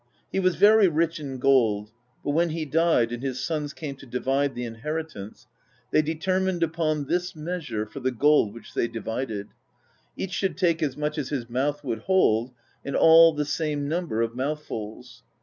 He was very rich in gold; but when he died and his sons came to divide the inheritance, they determined upon this measure for the gold which they divided: each should take as much as his mouth would hold, and all the same number of mouthfuls.